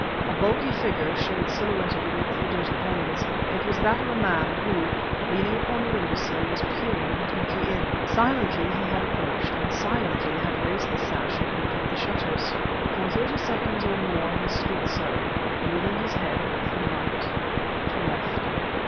A bulky figure showed silhouetted against the dirty panes. It was that of a man who, leaning upon the window sill, was peering intently in. Silently he had approached, and silently had raised the sash and opened the shutters. For thirty seconds or more he stood so, moving his head from right to left